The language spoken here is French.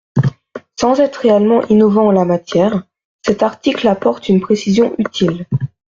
Sans être réellement innovant en la matière, cet article apporte une précision utile.